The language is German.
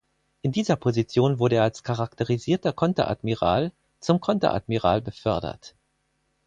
In dieser Position wurde er als charakterisierter Konteradmiral zum Konteradmiral befördert.